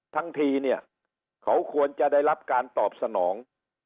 ทั้งทีเนี่ยเขาควรจะได้รับการตอบสนอง